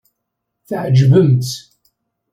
Tɛejbem-tt!